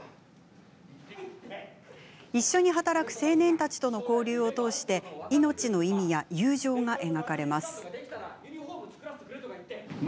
一緒に働く青年たちとの交流を通して命の意味や友情が描かれます。